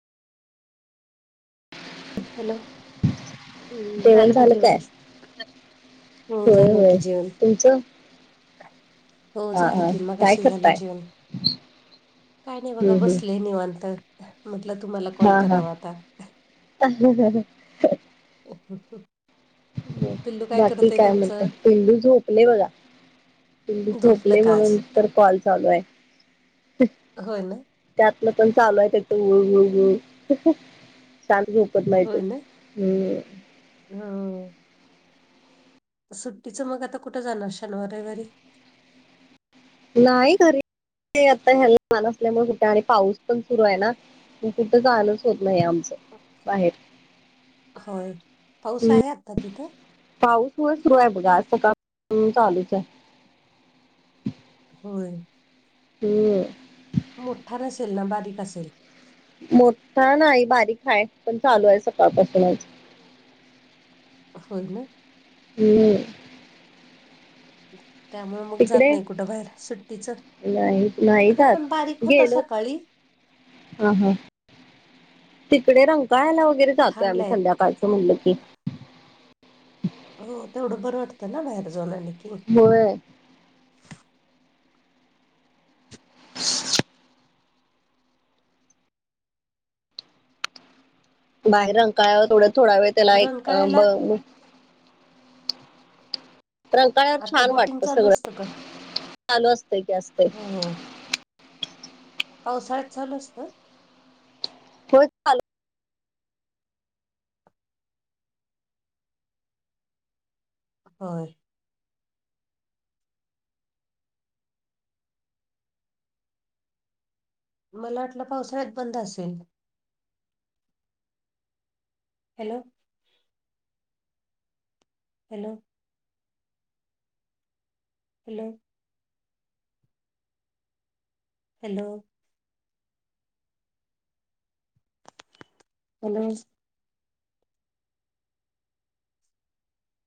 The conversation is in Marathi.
हॅलो हम्म झाल का झालं काय जेवण. हो होय झालं होय की जेवण. तुमचं हो हा झालं हा कि काय मगाशी झालं करताय जेवन. काय नाही बघा हम्म हम्म बसले निवांत म्हटलं तुम्हाला कॉल करावा आता ह ह ह. [unintelligible] पिल्लू बाकी करतय काय म्हणत तुमचं? पिल्लु झोपले बघा. पिल्लू झोपलं झोपले का आज? म्हणून तर कॉल चालू आहे. होय ना. त्यातलं पण चालू आहे त्याचं उळ उळ उळ शांत झोपत नाही तो हम्. हा. सुट्टीचं मग आता कुठं जाणार शनिवार, रविवारी. नाही घरी आता ह्या लहान असल्यामुळे कुठे आणि पाऊस पण सुरू आहे ना. म कुठं जानच होत नाही आमचं बाहेर होय पाऊस हम्म, आहे आता तिथं. पाऊस होय सुरू आहे बघा आज सकाळपासून चालूच आहे. होय. [unintelligible] मोठा नसेल ना बारीक असेल. मोठा नाही बारीक आहे पण चालू आहे सकाळपासूनच. होय ना. [unintelligible] त्यामुळ मग जात तिकडे नाही कुठं बाहेर सुट्टीचं. नाही इकड पण बारीक होता सकाळी. ह हा तिकडे रंकाळायला वगैरे जातोय आम्ही थांबलाय संध्याकाळ म्हनल की हो तेवढं बरं वाटतं ना बाहेर जावुन् आल की. होय. ह बाहेर रंकाळ्यावर थोड थोडा वेळ त्याला एक रंकाळ्याला रंकाळ्यावर आता छान बोटिंग वाटतं चालू सगळं असत का चालू असतंय की असतंय हो हो. पावसाळ्यात चालु असत. होय चाल हो मला वाटलं पावसाळ्यात बंद असेल hello hello hello hello hello